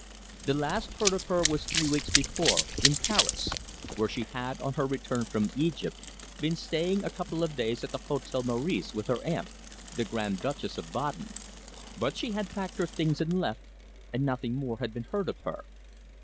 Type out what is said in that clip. The last heard of her was three weeks before in Paris where she had, on her return from Egypt, been staying a couple of days at the Hotel Maurice with her aunt, the Grand Duchess of Baden, but she had packed her things and left, and nothing more had been heard of her.